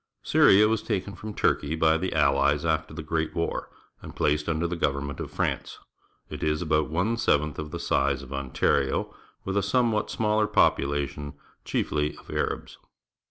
— Syria w^as takeiV from Turkey by the .\lUes after the Great War and placed under the government of France. It is about one seventh of the size of Ontario, with a somewhat smaller population, chief!}' of Arabs.